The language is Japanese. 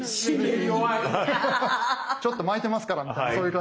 ちょっと巻いてますからみたいなそういう感じ。